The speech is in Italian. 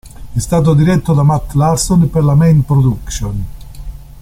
È stato diretto da Matt Larson per La Main Productions.